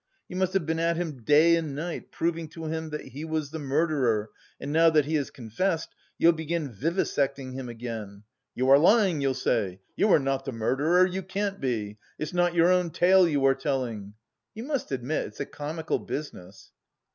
You must have been at him day and night, proving to him that he was the murderer, and now that he has confessed, you'll begin vivisecting him again. 'You are lying,' you'll say. 'You are not the murderer! You can't be! It's not your own tale you are telling!' You must admit it's a comical business!"